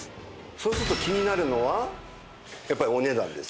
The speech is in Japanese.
そうすると気になるのはやっぱりお値段です。